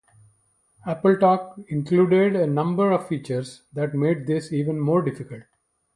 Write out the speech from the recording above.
AppleTalk included a number of features that made this even more difficult.